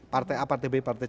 partai a partai b partai c